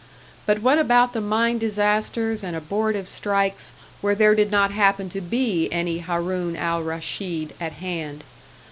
But what about the mine disasters and abortive strikes where there did not happen to be any Haroun al Raschid at hand?